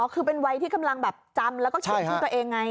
คือเป็นวัยที่กำลังแบบจำแล้วก็เขียนชื่อตัวเองไง